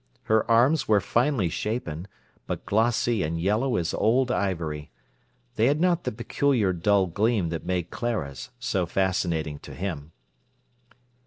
Her arms were finely shapen, but glossy and yellow as old ivory. They had not the peculiar dull gleam that made Clara's so fascinating to him.